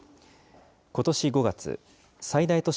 ことし５月、最大都市